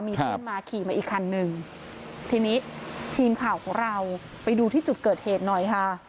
มีเพื่อนมาขี่มาอีกคันหนึ่งทีนี้ทีมข่าวของเราไปดูที่จุดเกิดเหตุหน่อยค่ะ